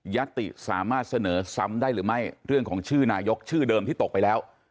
ติสามารถเสนอซ้ำได้หรือไม่เรื่องของชื่อนายกชื่อเดิมที่ตกไปแล้ว